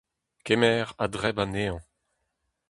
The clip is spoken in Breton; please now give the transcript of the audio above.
Kemer ha debr anezhañ.